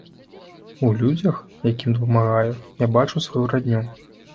У людзях, якім дапамагаю, я бачу сваю радню.